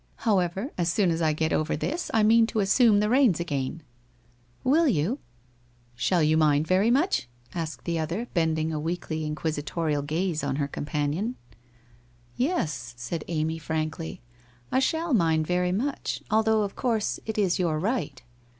... However, as soon as I get over this, I mean to assume the reins again.' 1 Will you ?' 18 194 WHITE ROSE OF WEARY LEAF 1 Shall you mind very much ?' asked the other, bending a weakly inquisitorial gaze on her companion. ' Yes/ said Amy, frankly, ' I shall mind very much, al though of course it is your right.'